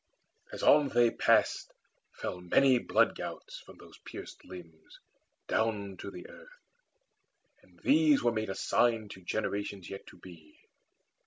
As on they passed, Fell many blood gouts from those pierced limbs Down to the earth, and these were made a sign To generations yet to be.